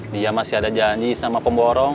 dia masih ada janji sama pemborong